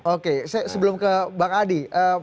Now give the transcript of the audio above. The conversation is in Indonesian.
oke sebelum ke pak adi